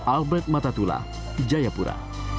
albert matatula jayapura